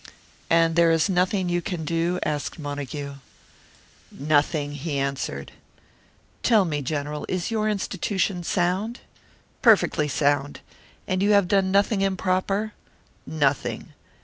"And there is nothing you can do?" asked Montague. "Nothing," he answered. "Tell me, General, is your institution sound?" "Perfectly sound." "And you have done nothing improper?" "Nothing."